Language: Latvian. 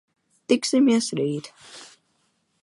Tiksimies rīt!